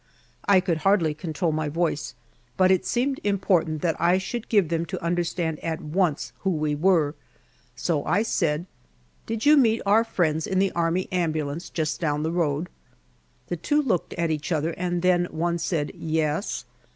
I could hardly control my voice, but it seemed important that I should give them to understand at once who we were. So I said, "Did you meet our friends in the army ambulance just down the road?" The two looked at each other and then one said "Yes!"